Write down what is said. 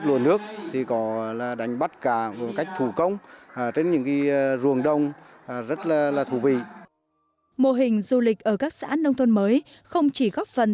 mô hình du lịch ở các xã nông thôn mới không chỉ góp phần